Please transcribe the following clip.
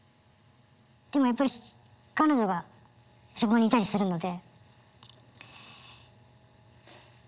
でもやっぱり彼女が職場にいたりするので。